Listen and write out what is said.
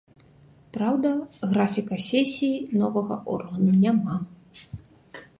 Праўда, графіка сесій новага органу няма.